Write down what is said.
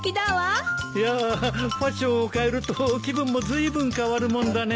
いやあファッションを変えると気分もずいぶん変わるもんだね。